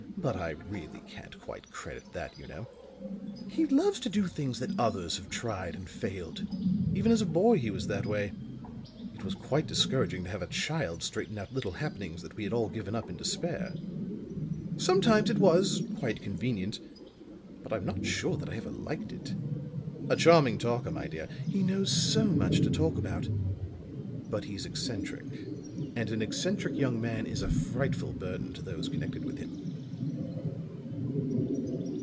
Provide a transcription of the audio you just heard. But I really can't quite credit that, you know. He loves to do things that others have tried and failed. Even as a boy he was that way. It was quite discouraging to have a child straighten out little happenings that we had all given up in despair. Sometimes it was quite convenient, but I'm not sure that I ever liked it. A charming talker, my dear; he knows so much to talk about. But he's eccentric; and an eccentric young man is a frightful burden to those connected with him."